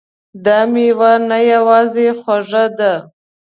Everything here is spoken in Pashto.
دا میوه نه یوازې خوږه ده